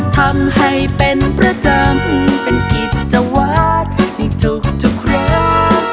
ทำให้เป็นพระเจ้าเป็นกิจวัตรในทุกครั้ง